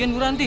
sian bu ranti